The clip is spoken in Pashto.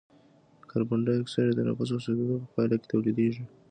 کاربن ډای اکساید د تنفس او سوځیدو په پایله کې تولیدیږي.